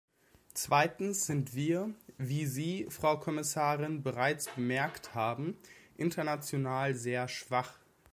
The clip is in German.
Zweitens sind wir, wie Sie, Frau Kommissarin, bereits bemerkt haben, international sehr schwach.